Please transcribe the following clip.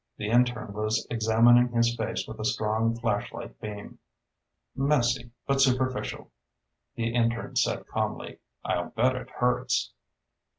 The intern was examining his face with a strong flashlight beam. "Messy but superficial," the intern said calmly. "I'll bet it hurts."